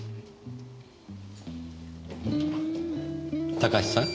高橋さん？